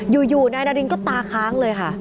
อยู่นายนารินก็ตาค้างเลยค่ะ